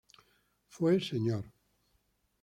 Fue Mr.